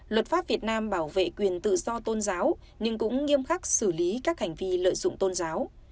luật pháp việt nam bảo vệ quyền tự do tôn giáo nhưng cũng nghiêm khắc xử lý các hành vi lợi dụng tôn giáo